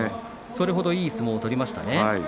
それほどいい相撲を取りましたね。